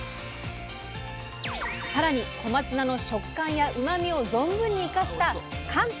更に小松菜の食感やうまみを存分に生かした簡単！